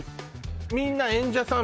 みんな演者さん